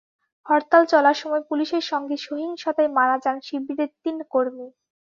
হরতাল চলার সময় পুলিশের সঙ্গে সহিংসতায় মারা যান শিবিরের তিন কর্মী।